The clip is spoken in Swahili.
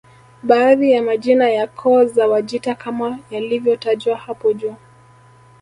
Baadhi ya majina ya koo za Wajita kama yalivyotajwa hapo juu